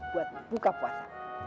buat buka puasa